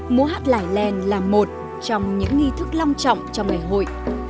múa hát lải lèn là một trong những nghi thức long trọng trong ngày hội